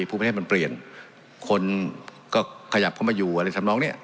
ภูมิประเทศมันเปลี่ยนคนก็ขยับเข้ามาอยู่อะไรทำนองเนี่ย